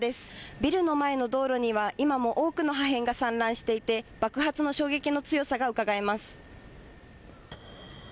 ビルの前の道路には今も多くの破片が散乱していて爆発の衝撃の強さがうかがえます。